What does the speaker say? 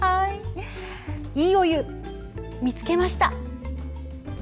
「＃いいお湯見つけました」。